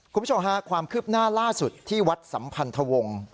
คุณผู้ชมค่ะความคืบหน้าล่าสุดที่วัดสัมพันธวงศ์